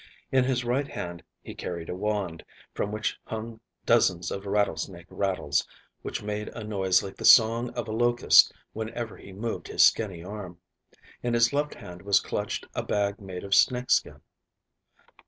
In his right hand he carried a wand, from which hung dozens of rattlesnake rattles, which made a noise like the song of a locust whenever he moved his skinny arm. In his left hand was clutched a bag made of snake skin.